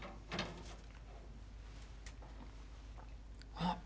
あっ。